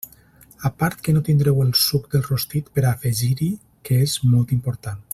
A part que no tindreu el suc del rostit per a afegir-hi, que és molt important.